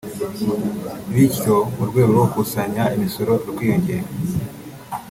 bityo n’urwego rwo gukusanya imisoro rukiyongera